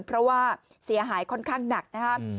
เพราะว่าเสียหายค่อนข้างหนักนะครับ